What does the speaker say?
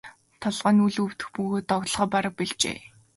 Толгой нь үл өвдөх бөгөөд доголохоо бараг больжээ.